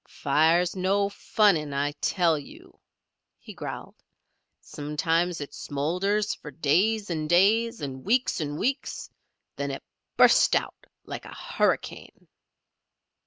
"Fire's no funning, I tell you," he growled. "Sometimes it smoulders for days and days, and weeks and weeks; then it bursts out like a hurricane."